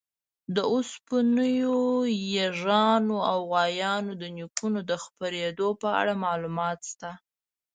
د اوسنیو ییږانو او غویانو د نیکونو د خپرېدو په اړه معلومات شته.